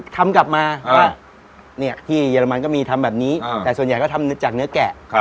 ทำกลับมาว่าที่เยอรมันก็มีทำแบบนี้แต่ส่วนใหญ่ก็ทำจากเนื้อแกะ